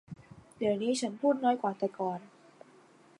เดี๋ยวนี้ฉันพูดน้อยกว่าแต่ก่อน